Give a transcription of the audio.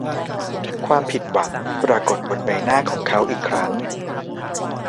ความผิดหวังปรากฎบนใบหน้าของเขาอีกครั้ง